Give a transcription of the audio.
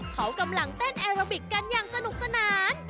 เขากำลังเต้นแอโรบิกกันอย่างสนุกสนาน